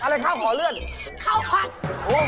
อะไรข้าวขอเลื่อน